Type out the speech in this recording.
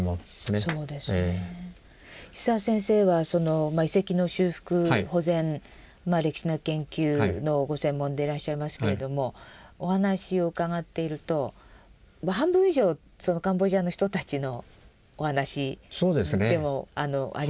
石澤先生は遺跡の修復保全歴史の研究のご専門でいらっしゃいますけれどもお話を伺っていると半分以上カンボジアの人たちのお話でもありますね。